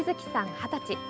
二十歳。